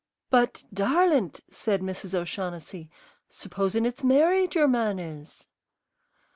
"But, darlint," said Mrs. O'Shaughnessy, "supposin' it's married your man is?"